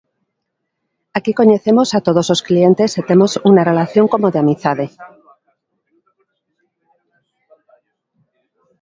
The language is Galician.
Aquí coñecemos a todos os clientes e temos unha relación como de amizade.